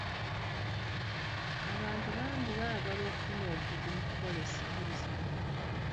Abantu bangi baagala kufuna bukugu mu kukola essigiri zino.